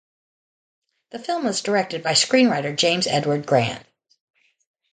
The film was directed by screenwriter James Edward Grant.